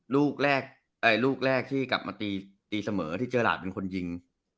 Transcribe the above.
ลูกแรกลูกแรกที่กลับมาตีเสมอที่เจอหลาดเป็นคนยิง